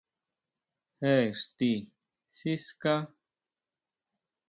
¿ Jé íxti siská?